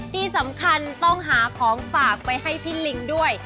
ที่สำคัญต้องหาของฝากไปให้พี่ลิงด้วย